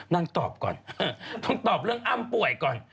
นางตอบก่อนต้องตอบเรื่องอ้ำป่วยก่อน